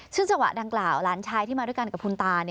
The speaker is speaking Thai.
ซึ่งจังหวะดังกล่าวหลานชายที่มาด้วยกันกับคุณตา